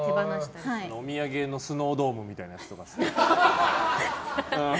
お土産のスノードームみたいなやつですよね。